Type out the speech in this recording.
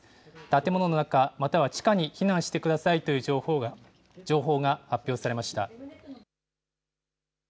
建物の中、または地下に避難してくださいという情報が発表されました。